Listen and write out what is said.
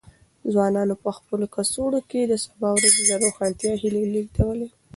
ځوانانو په خپلو کڅوړو کې د سبا ورځې د روښانتیا هیلې لېږدولې.